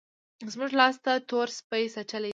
زموږ لاس تور سپي څټلی دی.